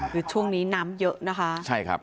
คือช่วงนี้น้ำเยอะนะคะใช่ครับ